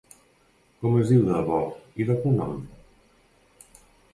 Com es diu de debò, i de cognom?